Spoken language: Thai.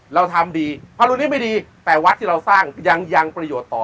เราทำดีพระรุณนี้ไม่ดีแต่วัดที่เราสร้างยังประโยชน์ต่อ